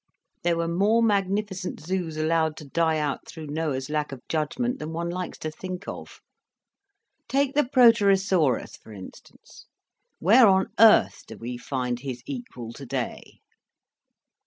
There were more magnificent zoos allowed to die out through Noah's lack of judgment than one likes to think of. Take the Proterosaurus, for instance. Where on earth do we find his equal to day?"